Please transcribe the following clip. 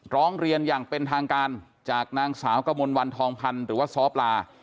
ร้องเรียนอย่างเป็นทางการจากนางสาวกมลวันทองพันธ์หรือว่าซ้อปลา